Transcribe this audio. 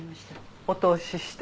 お通しして。